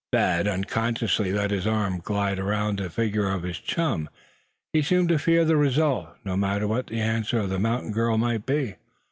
Thad unconsciously let his arm glide around the figure of his chum. He seemed to fear the result, no matter what the answer of the mountain girl might be.